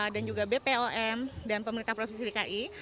dan juga bpom dan pemerintah profesi rki